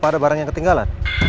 terima kasih ma